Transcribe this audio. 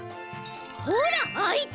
ほらあいた！